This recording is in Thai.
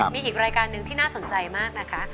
มีอีกรายการหนึ่งที่น่าสนใจมากนะคะ